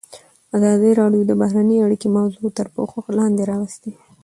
ازادي راډیو د بهرنۍ اړیکې موضوع تر پوښښ لاندې راوستې.